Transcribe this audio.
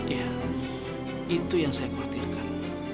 ya itu yang saya khawatirkan